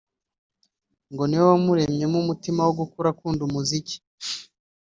ngo ni we wamuremyemo umutima wo gukura akunda umuziki